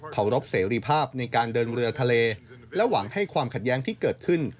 รบเสรีภาพในการเดินเรือทะเลและหวังให้ความขัดแย้งที่เกิดขึ้น